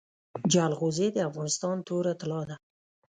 جلغوزي د افغانستان توره طلا ده